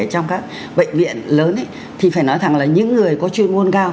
trong các bệnh viện lớn thì phải nói thẳng là những người có chuyên môn cao